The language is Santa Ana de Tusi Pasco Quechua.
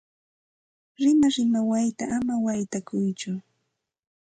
Rimarima wayta ama waytakuytsu.